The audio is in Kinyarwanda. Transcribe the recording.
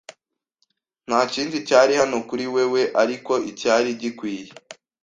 Ntakindi cyari hano kuri wewe ariko icyari gikwiye